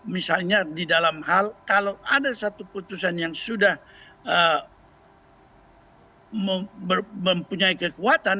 misalnya di dalam hal kalau ada satu putusan yang sudah mempunyai kekuatan